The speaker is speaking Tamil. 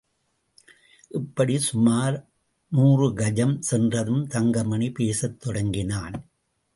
இப்படிச் சுமார் நூறு கஜம் சென்றதும் தங்கமணி பேசத் தொடங்கினான்.